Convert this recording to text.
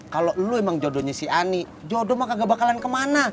kalau lo emang jodohnya si ani jodoh mah kagak bakalan kemana